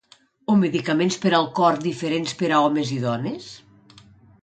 O medicaments per al cor diferents per a homes i dones?